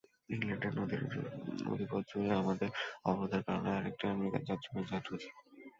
ইংল্যান্ডের নদীপথ জুড়ে আমাদের অবরোধের কারণে আরেকটি আমেরিকান যাত্রিবাহী জাহাজ ডুবেছে।